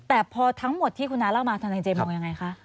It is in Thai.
แต่พอทั้งหมดที่คุณน้าเล่ามาธนายเจมองยังไงคะ